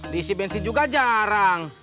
disipensi juga jarang